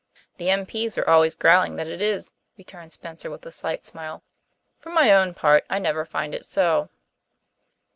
"The M.P.s are always growling that it is," returned Spencer with a slight smile. "For my own part I never find it so."